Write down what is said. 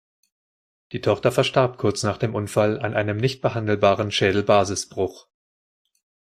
Die Tochter verstarb kurz nach dem Unfall an einem nicht behandelbaren Schädelbasisbruch.